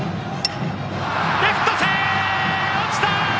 レフト線、落ちた！